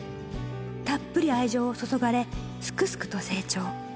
たっぷり愛情を注がれ、すくすくと成長。